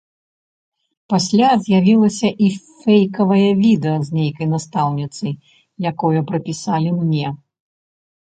Пасля з'явілася і фэйкавае відэа з нейкай настаўніцай, якое прыпісалі мне.